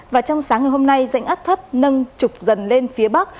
và trong sáng ngày hôm nay dạnh áp thấp nâng trục dần lên phía bắc